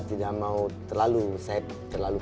tidak mau terlalu